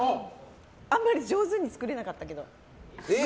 あんまり上手に作れなかったけど。